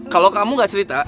kalau kamu gak cerita